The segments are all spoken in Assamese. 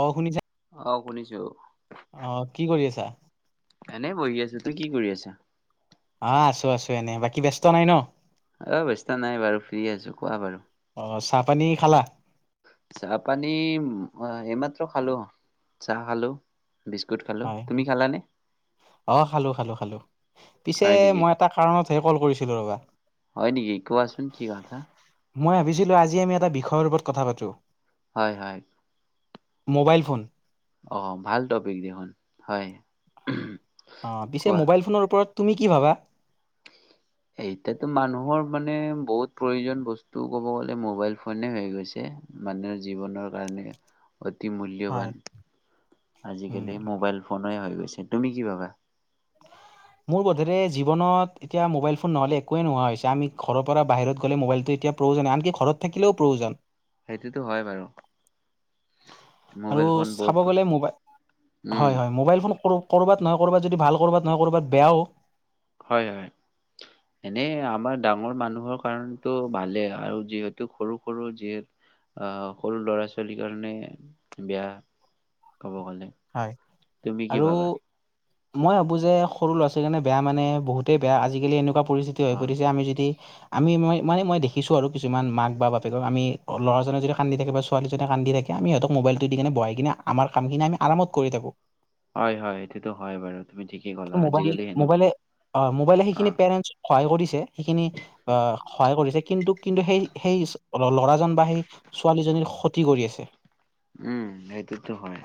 অ' শুনিছা অ 'শুনিছো অহ কি কৰি আছা এনে বহি আছো তোৰ কি কৰি আছা। আহ, আছো, আছো এনে বাকী ব্যস্ত নাই ন অ' ব্যস্ত নাই বাৰু ফ্ৰী আছো কোৱা বাৰু অ চাহ পানী খালা চাহ পানী এইমাত্ৰ খালো চাহ খালো বিস্কুট খালোঁ হয় তুমি খালানে? অ 'খালো খালো খালো পিছে হয় নেকি মই এটা কাৰণতহে কল কৰিছিলো ৰবা হয় নেকি কোৱাচোন কি কথা মই ভাবিছিলো আজি আমি এটা বিষয়ৰ ওপৰত কথা পাতো হয় হয় মোবাইল ফোন অ 'ভাল টপিক দেখোন হয় অ পিছে কোৱা মোবাইল ফোনৰ ওপৰত তুমি কি ভাবা। এতিাতো মানুহৰ মানে বহুত প্ৰয়োজন বস্তু কব গলে মোবাইল ফনে গৈছে মানুহ জীৱনৰ কাৰণ অতি হয় মূল্যবান আজি উম কালি মোবাইল ফোন হৈ গৈছে তুমি কি পাবা মোৰ বোধেৰে জীৱনত এতিয়া মোবাইল ফোন নহ'লে একোৱে নোহোৱা হৈছে আমি ঘৰৰ পৰা বাহিৰত গ'লে মোবাইলটো এতিয়া প্ৰয়োজন আনকি ঘৰত থাকিলেও প্ৰয়োজন। সেইটোতো হয় বাৰু। আৰু মোবাইল ফোন বহুত চাব গলে মবাই উম হয় হয় মোবাইল ফোন কৰোঁ ক'ৰবাত নহয় ক'ৰবাত য ভাল ক'ৰবাত নহয় ক'ৰবাত বেয়া ও হয় হয় এনেই আমাৰ ডাঙৰ মানুহৰ কাৰণটো ভালেই আৰু যিহেতু সৰু সৰু যিহেতু অহ সৰু লৰা ছোৱালীৰ কাৰণে বেয়া ক'ব গ'লে হয় তুমি কি আৰু ভাবা মই ভাবো যে সৰু ল'ৰা ছোৱীৰ কাৰণে বেয়া মানে বহুতেই বেয়া আজিকালি এনেুৱা পৰিস্থিতি হৈ অ পৰিছে আমি যদি। আমি মই মানে মই দেখিছোঁ আৰু কিছুমান মাক বা বাপেকক আমি ল'ৰাজনে যদি কান্দি থাকে বা ছোৱালীজনে কান্দি থাকে। আমিহঁতক মবাইলটো দি কিনে বহাই কিনে আমাৰ কামিনি আমি আমত কৰি থাকো। হয় হয় এইটোটোো হয় বাৰু তুমি ঠিক। মোবাইল মোবাইলে অ' মোবাইলে অ সেইখিনি পেৰেন্টছক সহায় কৰিছে সেইখিনি সহায় কৰিছে কিন্তু কিন্তু সেই সেই ল'ৰাজন বা সেই ছোৱালীজনীৰ ক্ষতি কৰি আছে উম সটোতো হয়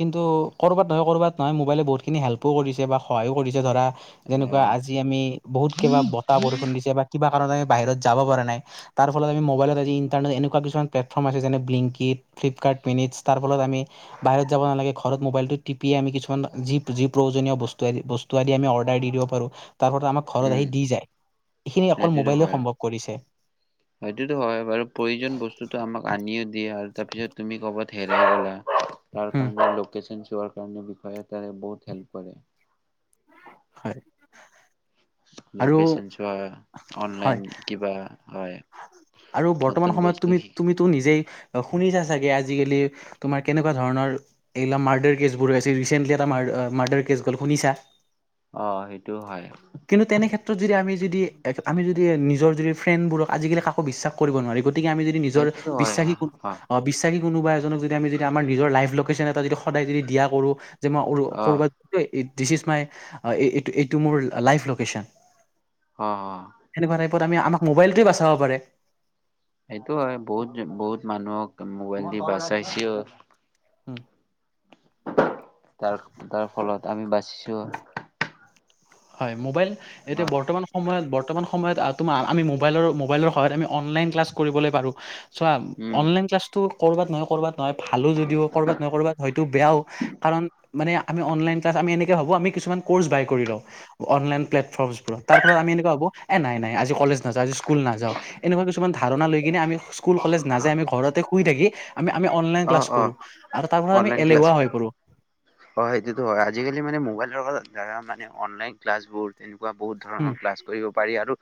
কিন্তু ক'ৰবাত নহয় ক'ৰবাত নহয় মোবাইলে বহুতখিনি হেল্পো কৰিছে বা সহায়ো কৰিছে ধৰা অ যেনেকুৱা আজি আমি বহুত কিবা বতাহ বৰষুণ দিছে বা কিবা কাৰণে বাহিৰত যাব পৰা নাই ত ফলত আমি মোবাইলত আজ ইণ্টাৰনেট এনেুৱাছু প্লেটফৰ্ম আছে যেনে ব্িংকিট ফ্লিপকাৰ্ট মিনিটছাৰ ফলত আমি বাহিৰত যাব নালাগে ঘৰত মোবাইল টো টিপি আমি কিছুমান যি যি প্ৰয়োজনীয় আদি বস্তু আদি আমি অৰ্ডাৰ। দিব পাৰো তাৰ আমাক ঘৰত উম আহি দি যায় এইখিনি অকল সেইটোতো মোবাইলে হয় সম্ভৱ কৰিছে সেইটোতো হয় বাৰু প্ৰয়োজন বস্তুতটো আমাক আনও দিয়ে আৰু তাৰপিছত তুমি ক'ৰবাত হেৰাই গ'া তাৰ উম কাৰণ লোকেশচন োৱাৰ কাৰণে বিষয় তাৰে বহুত হেল্প কৰে হয় আৰু লোকচন চোৱা হয় অনলাইন কিবা হয় আৰু বৰ্তমান নতুন সময়ত বস্তু তুমি শিক তুমিতো নিজেই শুনিছা চাগে আজিকালি তোমাৰ কেনেকুৱা ধৰণৰ এইবিলা মাৰ্ডাৰ কেছবোৰছে ৰিচেন্টলি এটা মাৰাৰ মাৰ্ডাৰ কেছ গ'ল শুনিছা অ' সেইটো হয় কিন্তু তেনে ক্ষেত্ৰত যদি আমি যদি আমি যদি নিজৰ যদি ফ্ৰেণ্ডবোৰক কাকো বিশ্বাস কৰিব নোৱি গতিকে আমি যদি নিজৰ সেইটোতো হয় বিশ্বাস অ অ বিশ্বাসী কোনোবা এজনক যদি আমি যদি আমাৰ নিজৰ লাইভ লেশ্যন এটা যদি সদায় যদি দিয়া কৰো যে মইাত ই দিচ ইজ মাই এইটো মোৰ লাইভ লোকেশ্যন অ সেনেকুৱা টাইপত আমি আমাক মোবাইলটোোৱে বাচাব পাৰে সেইটো হয় বহুত বহুত মানুহক মোবাইল দি বচাইছেও উম তাৰ তাৰ ফলত আমি বাচিছো হয় মোবাইল অ এতিয়া বৰ্তমান সময়ত বৰ্তমান সময়ত তোমাৰ আমি মোবাইলৰ মোবাইলৰ সহত আমি অনলাইন ক্লাছ কৰিবলৈ পাৰোঁ চ' উম অনলন্লাছটো কৰ'বাত নহয় কৰ'ৰবাত নহয় ভালো যদিও কৰ'বাত নহয় কৰবাত হয়তো বেয়াও কাৰণ মানে আমিলন ক্লাছ আমি এনেকে ভাবো আমি কিছুমান ক'ৰ্ বাই লওঁ অনলাইন প্লেটফৰ্মবোৰ তাৰলত আমি এনেকুৱা হব এ নাইজি কলেজাযওঁ আজ স্ুল নাওঁ এনেকুৱা কিছুমান ধাৰণা লৈ কিনে আমি স্কুল কলে নাযায় আমি ঘৰতে শুই থাকি আমি আমি অনলাইন অ ক্লাছ অ কৰো আৰু তাৰপত আমি অনলাইন ক্লাছ এলো হৈ পো হয় সেইটোতো হয় আজিকালি মানে মোবাইলৰ ধ মানে অনলাইন ক্লা বোৰ তেুৱ বহুত উম ধৰণৰ ক্লাছ কৰিব ি আৰু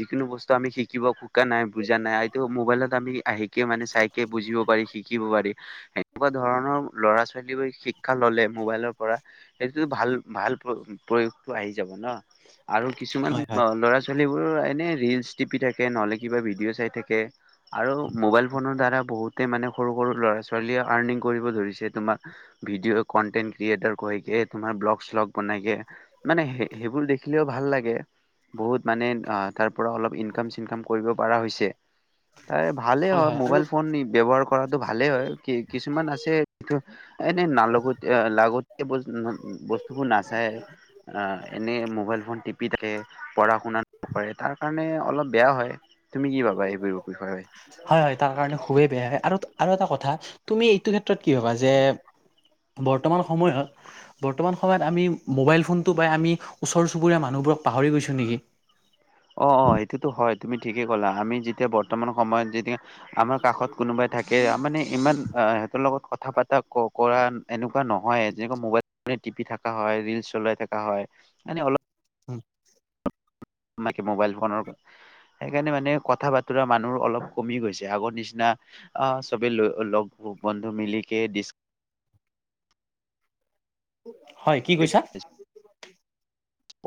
যিকোনো বস্তু আমি শিকিব খা নাই বুজা নাই এইটো মোবাইলত আমি শিকে মানে চাই িকে বুজিব পাৰি শিকিব পাৰি সেনেকুৱা ধৰণৰ ল'ৰা ছোৱালী শিক্ষা ললে মোবাইলৰ পৰা সেইটো ভাল ভাল প্ৰয়োগটো আহি যাব ন আৰু কিছুমান হয় হয় ল'ৰা ছোৱাল সেইবোৰ এনে ৰিলচ টিপি থাকে নহলে কিবা ভিডিঅ' চাই থাকে আৰু মোবাইল ফোনৰ দ্বাৰা বহুতে মানে সৰু সৰু ল' ছাল আৰ্নিং কৰিব ধৰিছে তোমাৰ ভিডিঅ ক্ৰিয়েটাৰ কৈ কে তোমাৰ ব্লগ শ্লগ বনাই কে মানে সেইবোৰ দেখিলেও ভাল লাগে বহুত মানে তাৰ পৰা অলপ ইনকাম চিনকাম কৰিব পৰা হৈছে তাৰে ভালেই হয় মোবাইল ফোন ব্য্ৱহাৰ কৰাটো ভালে হয় কি কিছুমান আছে নে নাল লগত লাগতি বস্তুবোৰ নাচাই আহ এনে মোবাইল ফোন টিপি থাকে পঢ়া শুনা নকৰে তাৰ কাৰণে অলপ বেয়া হয় তুমি কি ভাবা এইবোৰ বিষয়ে হয় হয় তাৰ কাৰণে খুবেই বেয়া হয় আৰু আৰু এটা কথা তুমি এইটো ক্ষেত্ৰত কি ভাবা যে বৰ্তমান সময়ত বৰ্তমান সময়ত আমি মোবাইল ফোনটো বাাই আমি ওচৰ চুবুৰীয়া মানুহ বোৰক পাহৰি গৈছো নেকি অ অ সেইটোতো হয় তুমি ঠিকে ক'লা আমি যেতিয়া বৰ্তমান সময়ত যেতিয়া আমাৰ কাষত কোনোবাই থাক মানে ইমান সিহঁতৰ লগত কথা পতা কৰা এনেকুৱা নহয় যেনেকুৱা মোবাইল টিভি থকা হয় ৰিলচ চলাই থাককা হয় এনে অলপ হয়। আমাকে মোবাইল ফোনৰ সেইকাৰণে মানে কথা বতৰা মানুহ অলপ কমি গৈছে আগৰ নিচিনা অ চবে লগ বন্ধু মিলি কে ডি হয় কি কৈছা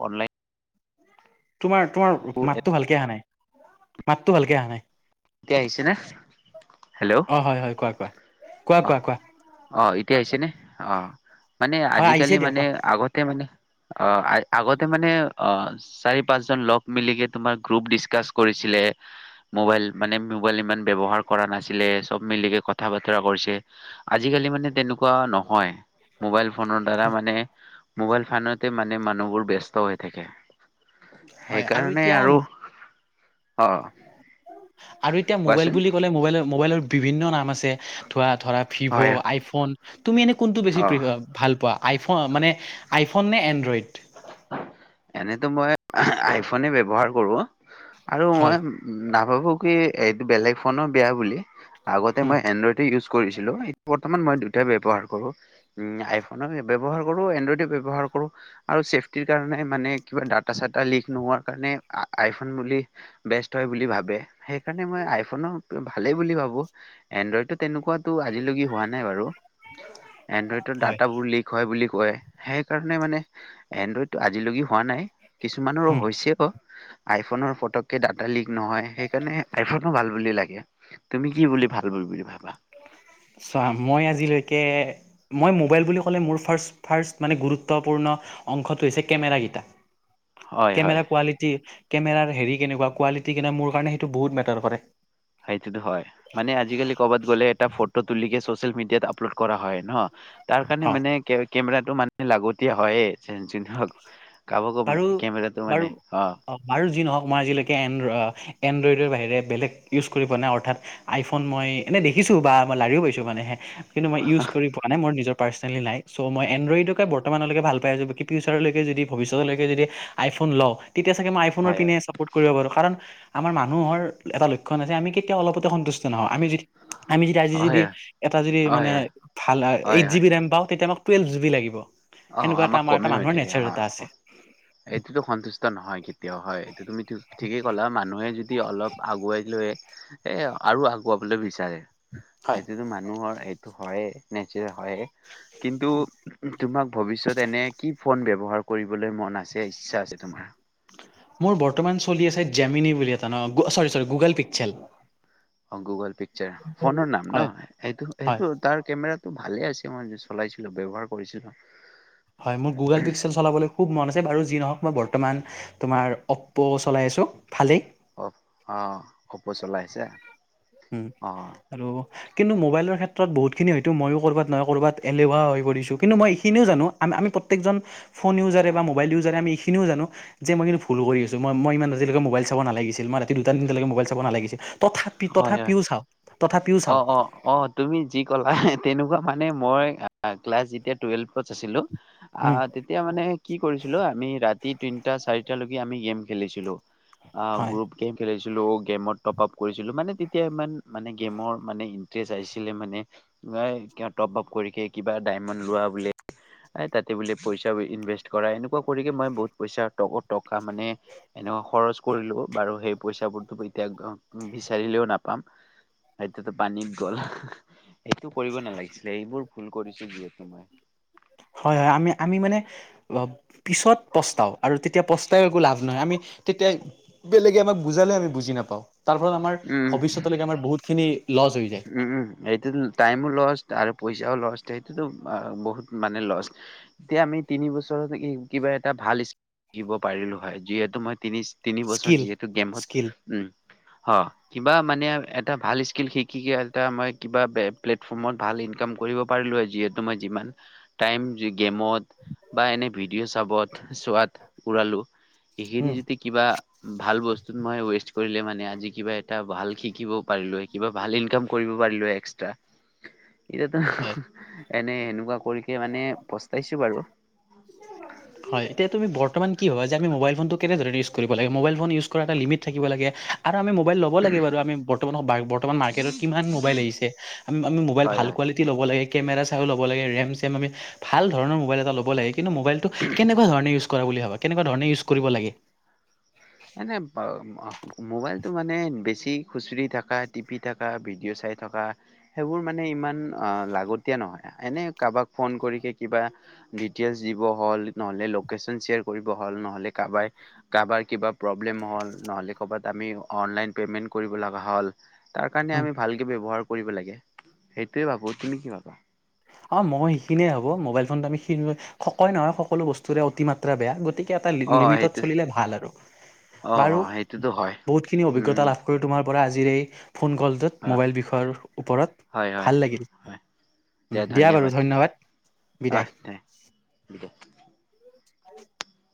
অনলাইন তোমাৰ তোমাৰ মাতটো ভালকে অহা নাই মাতটো ভালকে অহা নাই এতিয়া আহিছে ন অ হয় হয় কোৱা কোৱা কোৱা কোৱা কোৱা এতি হৈছে নে অ মানে হয় আহিছে আজিকালি দিয়া মানে কোৱা আগতে মানে অ আগতে মানে অ চাৰি পাঁচ জন লগ মিলি কিনে তোমাৰ গ্ৰুপ ডিচকাছ কৰিছিলে মোবাইল মানে মোবাইল ইমান ব্য্ৱহাৰ কৰা নাছিলে চব মিলিকে কথা বতৰা কৰিছে আজিকালি মানে তেনেক নহয় মো ফোনৰ দ্বাৰা মানে মোবাইল ফোনতে মানে মানুহবোৰ ব্যস্ত হৈ থাকে হয় সেইকাৰণে এতিয়া আৰু অ আৰু এতিয়া মোবাইল কোৱাচোন বুলি ক'লে মোবাইল মোবাইলৰ বিভিন্ন নাম আছে ধৰা ধৰা ভিভ' হয় আইফোন তুমি এনে কোনটো বেছি অ প্ৰ ভাল পোৱা আইফ মানে আইফোন নে এণ্ড্ৰইড এনেতো মই আইফোনে ব্যৱহাৰ হয় ভ কিলেগ ফইই বৰ্তমান মই দুই তাই ব্যৱহাৰ কৰো উ আইফোন টো ব্যৱহাৰ কৰো এণ্ড্ৰইড উ ব্যৱহাৰ কৰো কৰো আৰু চেফটিৰ কাৰণে মানে কিবা ডাটা চাটা লিক নোহোৱাৰ কাৰণে আইফোন বুলি বেষ্ট হয় ভাবে সেইকাৰণে মই আইফোন ভালেই বুলি ভাবো এনড্ৰইডটো তেনেকুৱা টো আজিলৈকে হোৱা নাই বাৰু এণ্ড্ৰইড ত ডাটা হয় বোৰ লিক হয় বুলি সেই কাৰণে মানে এনড্ৰইড আজিলি হোৱা নাই কিছুমানৰো হৈছেও আইফোনৰ ফটককে ডা এটা লিক নহয় সেইকাৰণে আইফোনো ভাল বুলি লাগে তুমি কি বুলি ভাল বুলি বুলি ভাবা চা মই আজিলৈকে মই মোবাইল বুলি ক'লে মোৰ ফাৰ্ষ্ট ফাৰ্ষ্ট মানে গুৰুত্বপূৰ্ণ অংশটো হৈছে কেমেৰাকৰাকেইটা হয় হয় কেমেৰা কোৱালিটি কেমেৰাৰ হেৰি কেনেকুৱা কোৱালিটি কেনে মোৰ কাৰণে সেইটো বহুত মেটাৰ কৰে সেইটোতো হয় মানে আজিকালি কৰ'বাত গ'লে এটা ফটো তুলিিক ছচিয়েল মিডিয়াত আপলোড কৰা হয় ন তাৰ হ কাৰণে মানে কে কেমেৰাটো মানে লাগতিয় হয়ে কাব ক বাৰু কেমেৰাটো মানে বাৰু অ বাৰু যি নহওক মই আজিলৈকে এন এণ্ড্ৰইডৰ বাহিৰে বেলেগ ইউজ কৰি পোৱা নাই অৰ্থাৎ আইফোন মই এনেই দেখিছোঁ বা মই লাৰিও পাইছোঁ মানেহে কিন্তু মই ইউজ কৰি পোৱা নাই মোৰ নিজৰ পাৰ্চ মই এড্ৰইডকে ব্তলৈে ভাল পাইছো ফউচাৰলৈে যদি ভিষ্য আইফোন লওঁ তেতিয়া চাগে মই আইফোনৰ হয় পিনে চাপৰ্ট কৰিব পাৰো কাৰণ আমাৰ মানুহৰ এটা লক্ষণ আছে আমি কেতিয়া অলপতে সন্তুষ্ট নহওঁ আমি য আমি যদি আজি হয় যদি হয় এটা যদি হয় মানে হয় ভাল হয় এইট জিব হয় বি ৰেম পাওঁ তেতিয়া আমাক টুৱেলভ জিবি লাগিব সেনেকুৱা এটা আমাৰ এটা মানুহৰ নেচাৰ এটা আছে হয় এইটোতো সন্তুষ্ট নহয় কেতিয়াও হয় এইটো তুমি ঠিকেই ক'লা মানুহে যদি অলপ আগুৱাই লৈ এ আৰু আগুৱাবলৈ বিচাৰে হয় সেইটোতো মানুহৰ এইটো হয় নেচ হয় কিন্তু তোমাক ভৱিষ্যত এনে কি ফোন ব্য্ৱহাৰ কৰিবলৈ মন আছে ইচ্ছা আছে তোমাৰ মোৰ বৰ্তমান চলি আছে জেমিনি বুলি এটা ন গুগল পিকসেল অ গুগল পিকচাৰ ফোনৰ নাম ন হয় এইটো হয় এইটো তাৰ কেমোত ভালে আছে মই চলাইছিলো ব্ৱহাৰ কৰিছিলো হয় মোৰ গুগল পিক্সেল চলাবলৈ খুব মন আছে বাৰু যি নহওক মই বৰ্তমান তোমাৰ অপ্প' চলাই আছোঁ ভালেই অ অ কপো চলাইিছে উম আৰু কিন্তু মোাইৰ ক্ষেত্ৰত বহুতখিনি হয়ো ময়ো ক'ৰাত নহয় কৰবাত এলেৱ হৈ পৰিছঁ কিন্তু মই এইখিনিও জানো আম আমি প্ৰত্যেকজন ফোন ইউজাৰে বা মবাইল ইজাৰে আমি এইখিনিও জানো যে মই কিন্তু ভুল কৰিছো মই আজে ম মবাইল চাব নালাগিছিল মই ৰাতি দুটা দতিৈকে মোবল চাব নালাগিছিল ত হয় হয় তাপিওাওঁ অ অ অ তুমি যি কলা তেনেকুৱা মানে মই ক্লাছ যেতিয়া টুৱেলভত আছিলো উম আহ তেতিয়া মানে কি কৰিছিলো আমি ৰাতি প্ৰতি তিনিটা চাৰিটা লকে আমি গেম খেলিছিলো অ হয় গ্ৰুপ গেম খেলিছিল গেমত টপ আপ কৰিছিলো মানে তেতিয়া ইমান মানে গেমৰ মানে ইণ্টাৰেষ্ট আহিছিলে মানে ক ক টপ আপ কৰিক কিবা ডায়মণ্ড লোৱা বোলে এ তাতে বোলে পইচা ইনভেষ্ট কৰা এনেকুৱা কৰিে মই বহুত পইচা ট টকা মানে এনেকুৱ খৰচ কৰি লো বাৰু সেই পইচাাবোৰ এতিয়া বিচাৰিলেও নাপাম এতিয়ো পানীত গ'ল সটো কৰিব নালাগিছিলে এইবোৰ ভুল কৰিছো যিহেতু মই হয় হয় আমি আমি মানে পিছত পস্তাওঁ আৰু তেতিয়া পস্তাই একো লাভ নহয় আমি তেতিয়া বেলেগে আমাক বুজালে আমি বুজি নাপাওঁ তাৰ ফলত আমাৰ উম ভৱিষ্যতলৈকে আমাৰ বহুতখিনি লছ হৈ যায় উম উম এইটো টাইমো লষ্ট আৰু পইচাও লছ সেইটোতো বহুত মানে লছ এতিয়া আমি তিনি বছৰতে কিবা এটা ভাল শিকিব পাৰিলোঁ হয় যিহেতু মই তিনি তিনি বছৰ স্কিল যিহেতু গেমত স্কিল উম অ কিবা মানে এটা ভাল স্কিল শ কি এটা মই কিবা প্লেটফৰ্মত ভাল ইনকাম কৰিব পাৰিলো আৰু যিহেতু মই যিমান টাইম গেমত বা এনে ভিডিঅ' চাবত চোৱাত উৰালো এইখিনি উম যদি কিবা ভাল বস্তুত মই ৱেষ্ট কৰিলে মানে আজি কিবা এটা ভাল শিকিব পাৰিলো কিবা ভাল ইনকাম কৰিব পাৰিলো এক্সট্ৰা হয় এয়াতো এনে এনেকুৱা কৰিক মানে পস্তাইছো বাৰু হয় এতিয়া তুমি বৰ্তমান কি হয় যে আমি মোবাইল ফোনটো কেনেধৰণ ইউ কৰিব লাগে মোবাইল ফোন ইউজ এটা লমট থাকিব লাগে আমি মোবাইল লব লাগে বাৰু আম বৰ্ত বৰ্তমান মাৰ্কটত কিমান মোবাইল আহি আমি মোবাইল হয় ভাল হয় কোৱি ল'ব লাগে কেমে চাও ল' লে মেম আম ভালৰণৰ মোবল এটা লাগ কিন্ত মোবাইটো কেনেুৱাৰণ ইউজ া কেনো ধৰ ল এনেে মোবাইলতটো মানে বেছি খ খুচৰি থকা টিপি থকা ভিডিঅ' চাই থকা সেইবোৰ মানে ইমান লাগতিীয়া নহ ডিটেইলছ বহল নহলে কাৰোবাৰ কাৰোবাৰ কিবা প্ৰব্লেম হ'ল নহ'লে ক'ৰবাত আমি অনলাইন পে'মেণ্ট কৰিব লগা হ'ল তাৰ কাৰণে উম, আমি ভালকে ব্যৱহাৰ কৰিব লাগে সেইটোৱে ভাবো তুমি কি ভাবা অ মই সেইখিনিয়ে হ'ব মোবাইল ফোনটো আমি ককয় নহয় সকলো বস্তুৰে অতিমাত্ৰা বেয়া গতিকে এটা অ লিমিটত সেইটো চলিলে ভাল আৰু অ অ বাৰু সেইটোতো হয় বহুত খিনি অভিজ্ঞতা উম লাভ কৰি তোমাৰ আজ এই ফোন কলটোত হয় ম'বাইল বিষয়ৰ ওপৰত হয় হয় ভাল লাগিল হয় দিয়া বাৰু ধন্যবাদ, আহ বিদায়। দে বিদায়। [unintelligible]